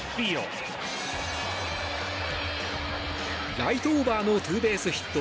ライトオーバーのツーベースヒット。